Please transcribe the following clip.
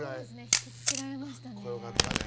引き付けられましたね。